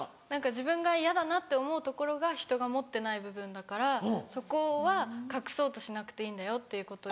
自分が嫌だなって思うところが人が持ってない部分だからそこは隠そうとしなくていいんだよっていうことを。